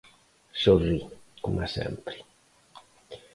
Sorrí, coma sempre.